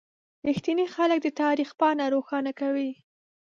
• رښتیني خلک د تاریخ پاڼه روښانه کوي.